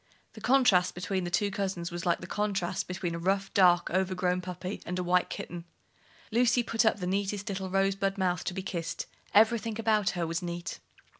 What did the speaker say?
The contrast between the two cousins was like the contrast between a rough, dark, overgrown puppy and a white kitten. Lucy put up the neatest little rosebud mouth to be kissed: everything about her was neat.